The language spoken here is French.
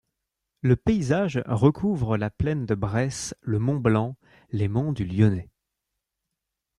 Le paysage recouvre la plaine de Bresse, le mont Blanc, les monts du Lyonnais.